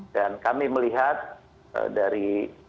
dan kami melihat dari